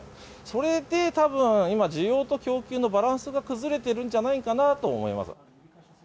それでたぶん今、需要と供給のバランスが崩れているんじゃないかなと思います。